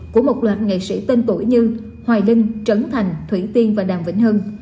của một loạt nghệ sĩ tên tuổi như hoài linh trấn thành thủy tiên và đàm vĩnh hưng